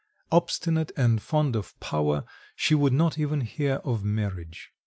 Obstinate and fond of power, she would not even hear of marriage.